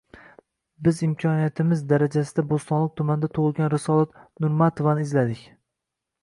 Biz imkoniyatimiz darajasida Bo‘stonliq tumanida tug‘ilgan Risolat Nurmatovani izladik.